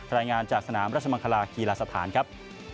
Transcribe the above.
รายงานจากสนามราชมังคลากีฬาสถานครับ